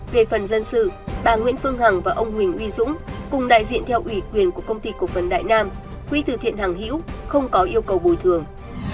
về phần dân sự bà nguyễn phương hằng và ông huỳnh uy dũng cùng đại diện theo ủy quyền của công ty cộng phần đại nam quỹ thứ thiện hằng hĩ úc không có yêu cầu bồi thường